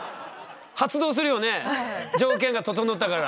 発動するよね条件がととのったから。